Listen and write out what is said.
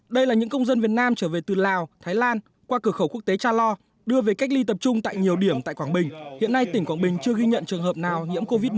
đây là những công dân việt nam trở về từ lào thái lan qua cửa khẩu quốc tế cha lo đưa về cách ly tập trung tại nhiều điểm tại quảng bình hiện nay tỉnh quảng bình chưa ghi nhận trường hợp nào nhiễm covid một mươi chín